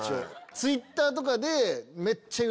Ｔｗｉｔｔｅｒとかで。